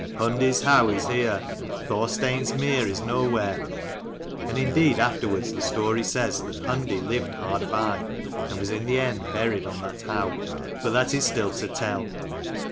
" Hundi's howe is here, Thorstein's mere is nowhere." And indeed afterwards the story says that Hundi lived hard by, and was in the end buried on that howe: but that is still to tell.